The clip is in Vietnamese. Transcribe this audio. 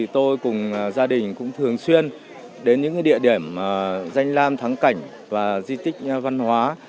tôi cùng gia đình cũng thường xuyên đến những địa điểm danh lam thắng cảnh và di tích văn hóa